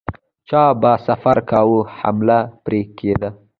چا به سفر کاوه حمله پرې کېده.